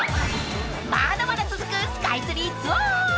［まだまだ続くスカイツリーツアー］